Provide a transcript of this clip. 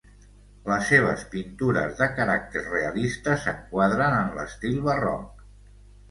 Les seves pintures de caràcter realista s'enquadren en l'estil barroc.